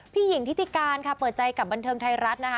หญิงทิติการค่ะเปิดใจกับบันเทิงไทยรัฐนะคะ